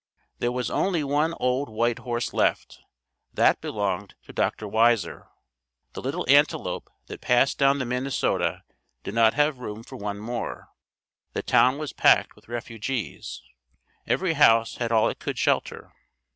There was only one old white horse left, that belonged to Dr. Weiser. The Little Antelope that passed down the Minnesota did not have room for one more. The town was packed with refugees, every house had all it could shelter.